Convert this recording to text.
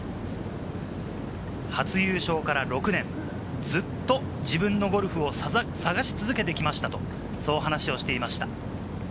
初優勝から６年、ずっと自分のゴルフを探し続けてきましたと、そう話をしていました。